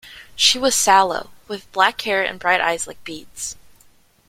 She was sallow, with black hair and bright eyes like beads.